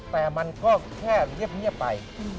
แต่มันก็แค่เงียบไป